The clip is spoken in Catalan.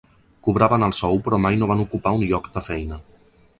Cobraven el sou però mai no van ocupar un lloc de feina.